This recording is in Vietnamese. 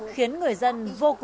khiến người dân